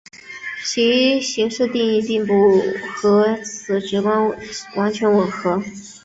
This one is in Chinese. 其形式定义并不和此直观完全吻合。